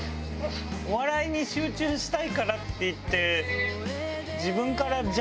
「お笑いに集中したいから」って言って。